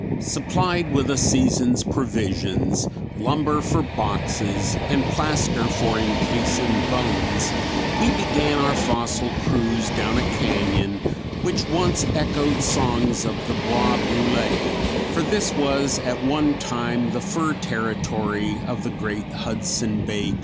Supplied with a season's provisions, lumber for boxes, and plaster for encasing bones, we began our fossil cruise down a cañon which once echoed songs of the Bois brulé, for this was at one time the fur territory of the great Hudson Bay Company.